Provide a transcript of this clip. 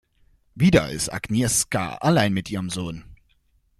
Wieder ist Agnieszka allein mit ihrem Sohn.